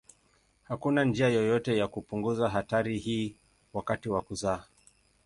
Hakuna njia yoyote ya kupunguza hatari hii wakati wa kuzaa.